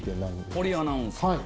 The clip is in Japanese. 堀アナウンサー。